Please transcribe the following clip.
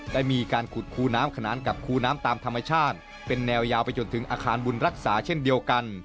ได้มีการขุดคูน้ำขนานกับคูน้ำตามธรรมชาติเป็นแนวยาวไปจนถึงอาคารบุญรักษาเช่นเดียวกัน